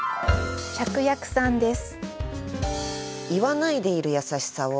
芍薬さんです。